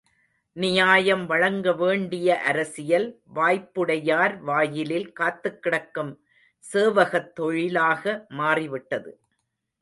நியாயம் வழங்க வேண்டிய அரசியல், வாய்ப்புடையார் வாயிலில் காத்துக்கிடக்கும் சேவகத் தொழிலாக மாறிவிட்டது.